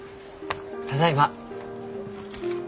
ただいま。